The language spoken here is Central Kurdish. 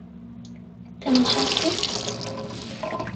تەماشات کرد؟